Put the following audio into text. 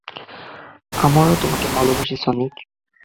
আমরাও তোমাকে ভালোবাসি, সনিক।